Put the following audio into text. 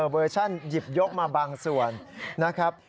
เวอร์ชันหยิบยกมาบางส่วนนะครับ